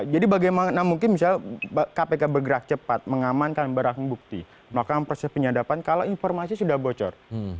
jadi bagaimana mungkin misalnya kpk bergerak cepat mengamankan barang bukti melakukan proses penyadapan kalau informasi sudah bocor